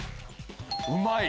うまい！